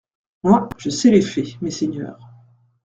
Moi, je sais les faits, messeigneurs.